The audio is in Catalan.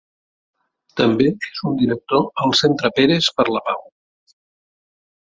També és un director al Centre Peres per la Pau.